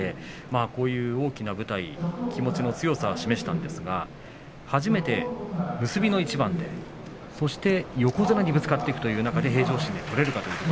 こういう大きな舞台での気持ちの強さを示しましたが初めて結びの一番でそして横綱にぶつかっていく中で平常心で取れるかどうか。